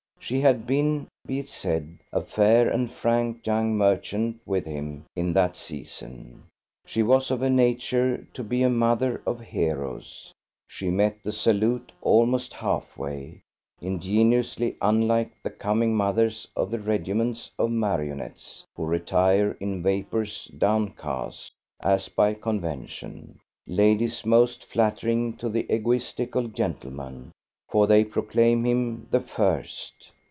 She had been, be it said, a fair and frank young merchant with him in that season; she was of a nature to be a mother of heroes; she met the salute, almost half way, ingenuously unlike the coming mothers of the regiments of marionettes, who retire in vapours, downcast, as by convention; ladies most flattering to the egoistical gentleman, for they proclaim him the "first".